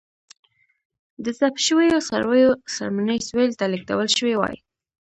د ذبح شویو څارویو څرمنې سویل ته لېږدول شوې وای.